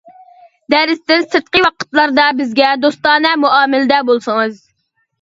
دەرستىن سىرتقى ۋاقىتلاردا بىزگە دوستانە مۇئامىلىدە بولسىڭىز.